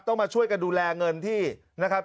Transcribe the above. มาช่วยกันดูแลเงินที่นะครับ